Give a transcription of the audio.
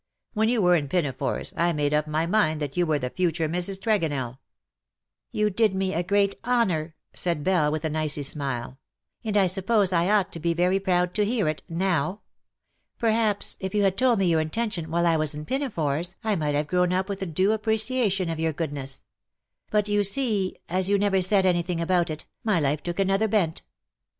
When you were in pinafores T made up my mind that you were the future Mrs. Tregonell.'' " You did me a great honour/" said Belle, with an icy smile, '^ and I suppose I ought to be very proud to hear it — now. Perhaps, if you had told me your intention while I was in pinafores I might have grown up with a due appreciation of your goodness. But you see, as you never said anything about it, my life took another bent."'